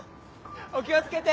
お気を付けて！